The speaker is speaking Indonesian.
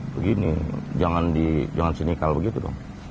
begini jangan di jangan sinikal begitu dong